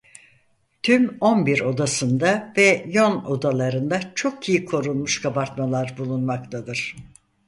Tüm on bir odasında ve yan odalarında çok iyi korunmuş kabartmalar bulunmaktadır.